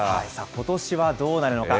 ことしはどうなるのか。